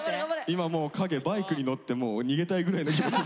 今もうかげバイクに乗って逃げたいぐらいの気持ち。